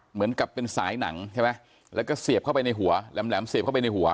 เหมือนกับเป็นสายหนังใช่ไหมแล้วก็เสียบเข้าไปในหัวแหลมเสียบเข้าไปในหัว